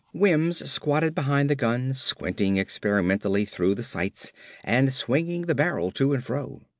Wims squatted behind the gun, squinting experimentally through the sights and swinging the barrel to and fro.